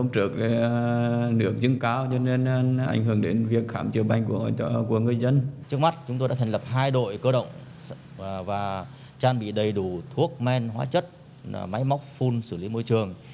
trước mắt chúng tôi đã thành lập hai đội cơ động và trang bị đầy đủ thuốc men hóa chất máy móc phun xử lý môi trường